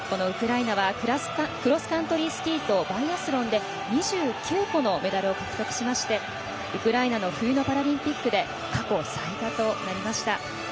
ウクライナはクロスカントリースキーとバイアスロンで２９個のメダルを獲得しまして、ウクライナの冬のパラリンピックで過去最多となりました。